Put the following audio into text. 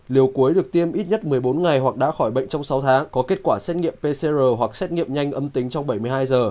liều cuối được tiêm ít nhất một mươi bốn ngày hoặc đã khỏi bệnh trong sáu tháng có kết quả xét nghiệm pcr hoặc xét nghiệm nhanh âm tính trong bảy mươi hai giờ